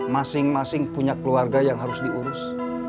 masing masing punya keluarga yang harus diurus